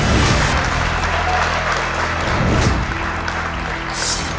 คุณยายแจ้วเลือกตอบจังหวัดนครราชสีมานะครับ